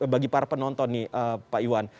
bagi para penonton nih pak iwan